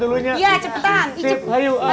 ayo cepetannya dulunya